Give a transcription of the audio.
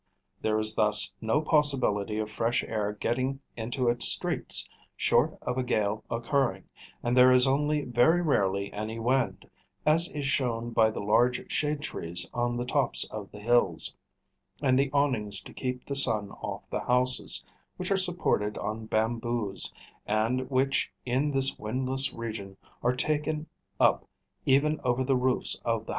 There is thus no possibility of fresh air getting into its streets, short of a gale occurring; and there is only very rarely any wind, as is shown by the large shade trees on the tops of the hills, and the awnings to keep the sun off the houses, which are supported on bamboos, and which in this windless region are taken up even over the roofs of the houses.